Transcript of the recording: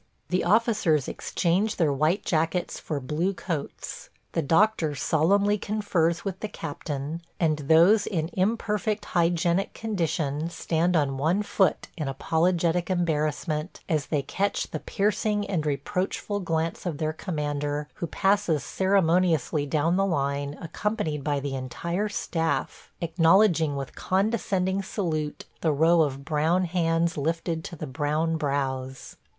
The officers exchange their white jackets for blue coats. The doctor solemnly confers with the captain, and those in imperfect hygienic condition stand on one foot in apologetic embarrassment, as they catch the piercing and reproachful glance of their commander, who passes ceremoniously down the line accompanied by the entire staff, acknowledging with condescending salute the row of brown hands lifted to the brown brows.